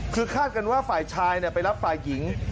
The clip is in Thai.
คือคาดกันว่าฝ่ายชายไปรับฝ่ายหญิง